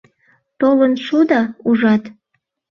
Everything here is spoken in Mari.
Толын шуда, ужат?